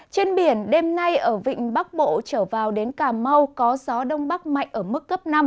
trên biển đêm nay ở vịnh bắc bộ trở vào đến cà mau có gió đông bắc mạnh ở mức cấp năm